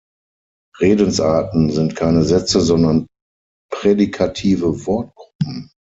Redensarten sind keine Sätze, sondern prädikative Wortgruppen.